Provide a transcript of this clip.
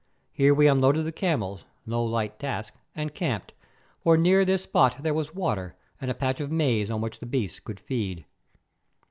Here we unloaded the camels, no light task, and camped, for near this spot there was water and a patch of maize on which the beasts could feed.